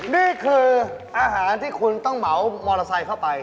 นี่คืออาหารที่คุณต้องเหมามอเตอร์ไซค์เข้าไป